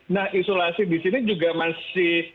nah isolasi di sini juga masih